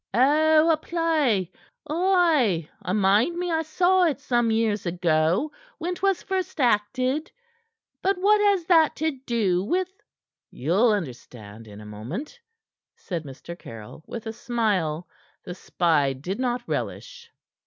"Oh, a play! Ay, I mind me I saw it some years ago, when 'twas first acted. But what has that to do with " "Ye'll understand in a moment," said Mr. Caryll, with a smile the spy did not relish.